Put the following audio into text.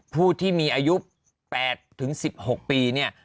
ผู้ที่มีอายุ๘๑๖ปี